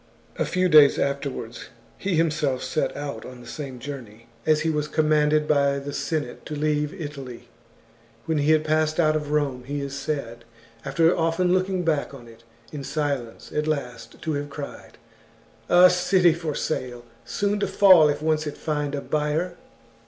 A few days afterwards he himself set out on the same journey, as he was commanded by the Senate to leave Italy. When he had passed out of Rome, he is said, after often looking back on it in silence, at last to have cried :" A city for sale, soon to fall if once it find a buyer."